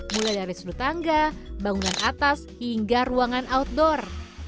mulai dari sudut tangga bangunan atas hingga ruangan outdoor